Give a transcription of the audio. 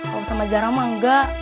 kalo sama jarak mah enggak